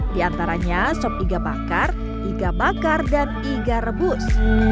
di antaranya sop iga bakar iga bakar dan iga rebus